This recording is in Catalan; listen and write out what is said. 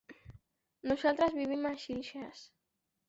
Nosaltres vivim a Xilxes.